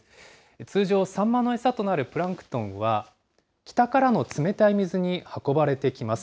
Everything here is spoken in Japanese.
通常、サンマの餌となるプランクトンは、北からの冷たい水に運ばれてきます。